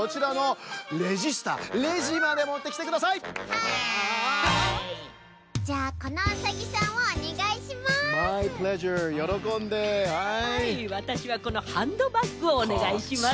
わたしはこのハンドバッグをおねがいします。